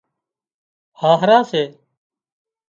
هاهرا سي